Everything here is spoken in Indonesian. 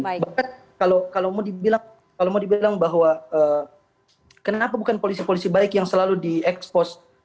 bahkan kalau mau dibilang bahwa kenapa bukan polisi polisi baik yang selalu di ekspos